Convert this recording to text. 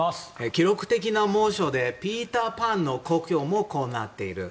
記録的な猛暑でピーターパンの故郷もこうなっています。